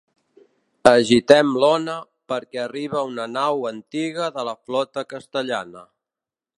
Agitem l'ona perquè arriba una nau antiga de la flota castellana.